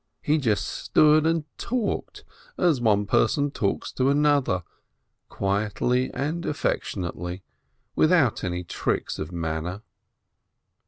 He just stood and talked, as one person talks to another, quietly and affectionately, without any tricks of manner.